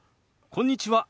こんにちは。